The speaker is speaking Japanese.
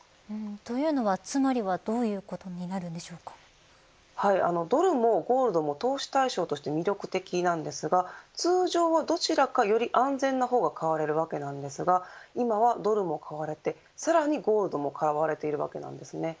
というのは、つまりはどういうことになるのドルもゴールドも投資対象として魅力的ですが通常は、どちらかより安全な方が買われるわけですが今はドルも買われてさらにゴールドも買われているわけなんです。